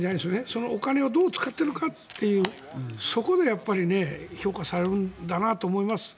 そのお金をどう使っているかっていうそこでやっぱり評価されるんだなと思います。